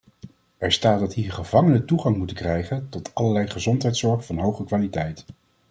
Er staat hier dat gevangenen toegang moeten krijgen tot allerlei gezondheidszorg van hoge kwaliteit.